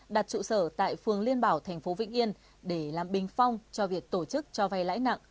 đặt trụ sở tại phường liên bảo thành phố vĩnh yên để làm bình phong cho việc tổ chức cho vay lãi nặng